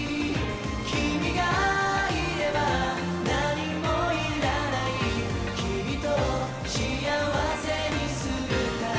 「君がいれば何もいらないきっと幸せにするから」